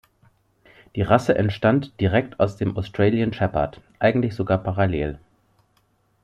Die Rasse entstand direkt aus dem Australian Shepherd, eigentlich sogar parallel.